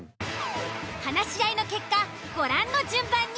話し合いの結果ご覧の順番に。